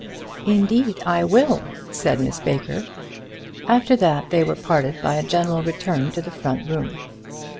"Indeed, I will," said Miss Baker. After that they were parted by a general return to the front room.